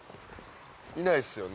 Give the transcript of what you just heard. いないですよね。